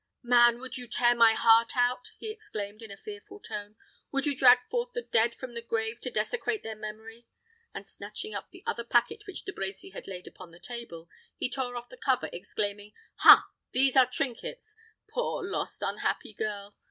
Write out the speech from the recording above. "Man, would you tear my heart out?" he exclaimed, in a fearful tone. "Would you drag forth the dead from the grave to desecrate their memory?" and snatching up the other packet which De Brecy had laid upon the table, he tore off the cover, exclaiming, "Ha! these are trinkets. Poor, lost, unhappy girl!"